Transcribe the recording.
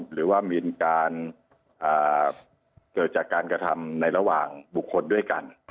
หรือว่ามีการเกิดจากการกระทำในระหว่างบุคคลด้วยกัน